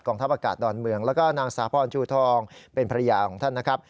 ทัพอากาศดอนเมืองแล้วก็นางสาพรชูทองเป็นภรรยาของท่านนะครับ